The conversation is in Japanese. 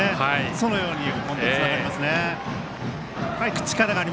そのように本当につながりますね。